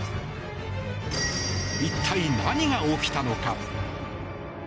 一体、何が起きたのか。